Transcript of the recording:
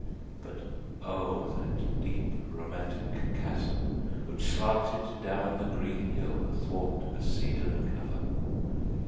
But O, that deep romantic chasm which slanted Down the green hill athwart a cedarn cover!